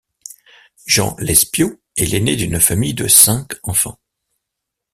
Jean Lespiau est l'aîné d'une famille de cinq enfants.